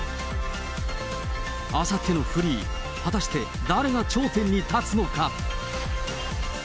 あさってのフリー、果たして誰が頂点に立つのか？